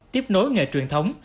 tiếp nối nghề truyền thống